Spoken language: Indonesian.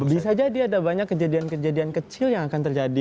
bisa jadi ada banyak kejadian kejadian kecil yang akan terjadi